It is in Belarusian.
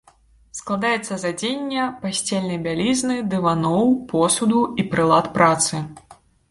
Складаецца з адзення, пасцельнай бялізны, дываноў, посуду і прылад працы.